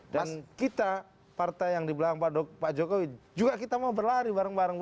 dan kita partai yang di belakang pak jokowi juga kita mau berlari bareng bareng